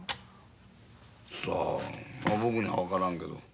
さあ僕には分からんけど。